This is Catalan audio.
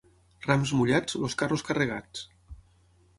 Rams mullats, els carros carregats.